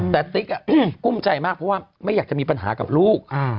แต่ติ๊กกุ้มใจมากเพราะว่าไม่อยากจะมีปัญหากับลูก